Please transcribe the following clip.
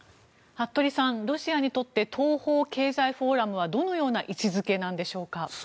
服部さん、ロシアにとって東方経済フォーラムはどのような位置づけなんでしょうか。